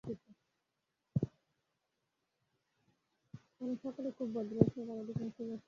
তাঁরা সকলেই খুব ভদ্র ও সরল, আর অধিকাংশই বেশ শিক্ষিত।